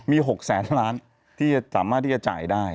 มี๖แสนล้านที่สามารถที่จะจ่ายได้